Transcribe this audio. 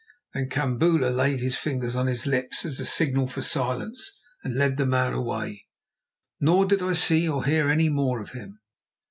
Then Kambula laid his fingers on his lips as a signal for silence and led the man away, nor did I see or hear any more of him.